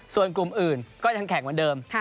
ส่วนกลุ่มอื่นก็ยังแข่งเหมือนเดิม